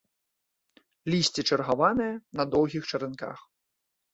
Лісце чаргаванае, на доўгіх чаранках.